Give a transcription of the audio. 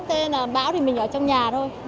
thế là bão thì mình ở trong nhà thôi